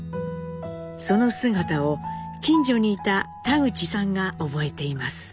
その姿を近所にいた田口さんが覚えています。